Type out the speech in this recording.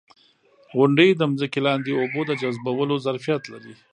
• غونډۍ د ځمکې لاندې اوبو د جذبولو ظرفیت لري.